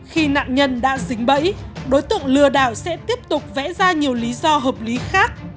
khi nạn nhân đã dính bẫy đối tượng lừa đảo sẽ tiếp tục vẽ ra nhiều lý do hợp lý khác